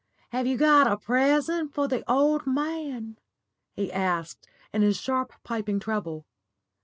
Have you got a present for the old man?" he asked, in his sharp, piping treble.